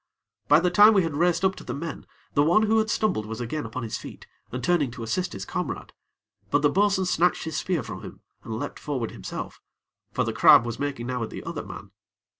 By the time we had raced up to the men, the one who had stumbled was again upon his feet, and turning to assist his comrade; but the bo'sun snatched his spear from him, and leapt forward himself; for the crab was making now at the other man.